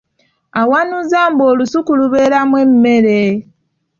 Awanuuza mbu olusuku lubeeremu emmere